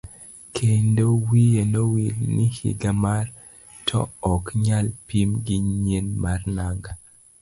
Kendo wiye nowil ni higa mar to ok nyal pim gi nyien mar nanga.